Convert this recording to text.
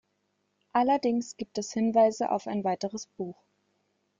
Allerdings gibt es Hinweise auf ein weiteres Buch.